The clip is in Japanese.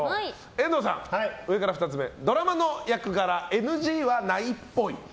遠藤さん、上から２つ目ドラマの役柄ＮＧはないっぽい。